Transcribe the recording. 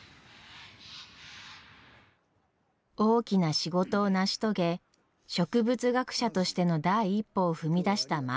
大きな仕事を成し遂げ植物学者としての第一歩を踏み出した万太郎は。